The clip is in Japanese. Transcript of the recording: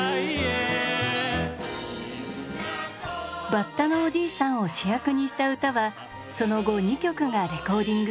バッタのおじいさんを主役にした歌はその後２曲がレコーディングされました。